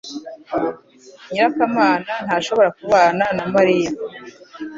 nyirakamana ntashobora kubana na Mariya